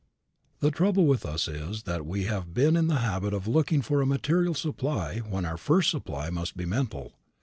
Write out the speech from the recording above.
The trouble with us is that we have been in the habit of looking for a material supply when our first supply must be mental.